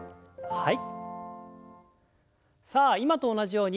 はい。